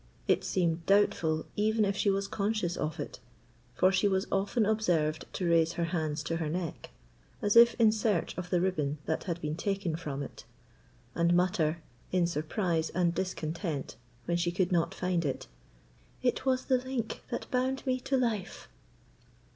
It seemed doubtful even if she was conscious of it, for she was often observed to raise her hands to her neck, as if in search of the ribbon that had been taken from it, and mutter, in surprise and discontent, when she could not find it, "It was the link that bound me to life."